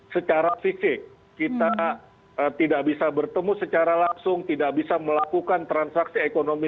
secara fisik kita tidak bisa bertemu secara langsung tidak bisa melakukan transaksi ekonomi